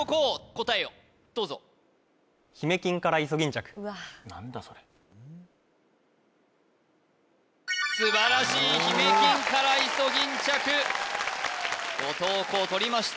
答えをどうぞ何だそれ素晴らしいヒメキンカライソギンチャク後藤弘とりました